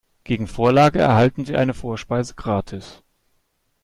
Gegen Vorlage erhalten Sie eine Vorspeise gratis.